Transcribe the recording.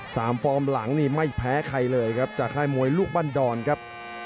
ฟอร์มหลังนี่ไม่แพ้ใครเลยครับจากค่ายมวยลูกบ้านดอนครับ